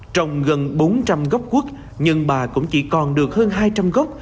trồng gần bốn trăm linh gốc quất nhưng bà cũng chỉ còn được hơn hai trăm linh gốc